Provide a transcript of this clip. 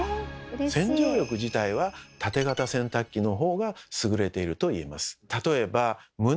洗浄力自体はタテ型洗濯機の方が優れていると言えます。